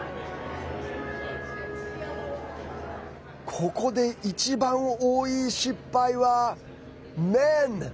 ここで一番多い失敗はＭｅｎ！